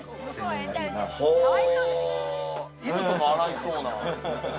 犬とか洗えそうな。